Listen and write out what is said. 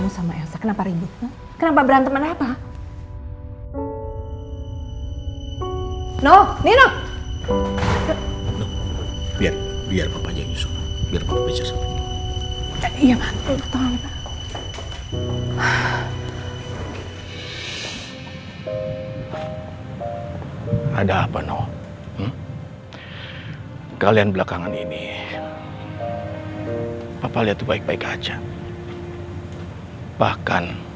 sampai akhirnya dia gak tahan